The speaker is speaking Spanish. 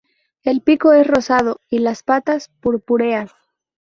El pico es rosado y las patas purpúreas.